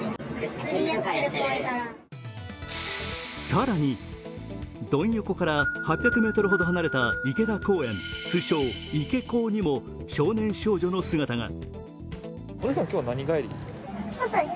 更に、ドン横から８００ｍほど離れた池田公園、通称・池公にも少年少女の姿が。